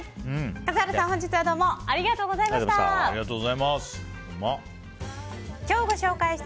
笠原さん、本日はどうもありがとうございました。